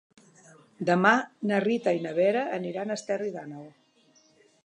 Demà na Rita i na Vera aniran a Esterri d'Àneu.